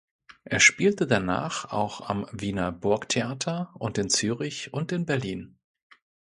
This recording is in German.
Er spielte danach auch am Wiener Burgtheater und in Zürich und in Berlin.